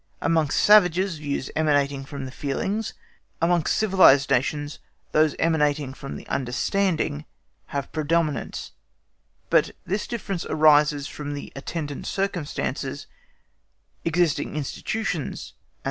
Amongst savages views emanating from the feelings, amongst civilised nations those emanating from the understanding, have the predominance; but this difference arises from attendant circumstances, existing institutions, &c.